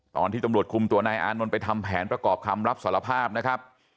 ตอนที่ตำรวจคุมตัวนายอานนท์ไปทำแผนประกอบคำรับสารภาพนะครับ